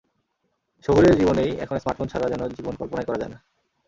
শহুরে জীবনেই এখন স্মার্টফোন ছাড়া যেন জীবন কল্পনাই করা যায় না।